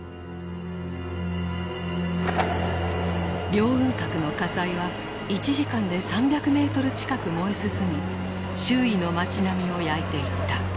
凌雲閣の火災は１時間で３００ｍ近く燃え進み周囲の街並みを焼いていった。